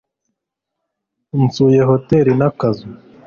nsuye hoteri n'akazu